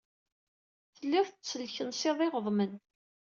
Tellid tettelkensid iɣeḍmen.